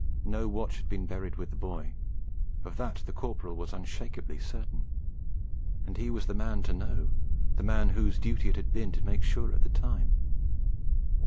No watch had been buried with the boy; of that the Corporal was unshakably certain; and he was the man to know, the man whose duty it had been to make sure at the time.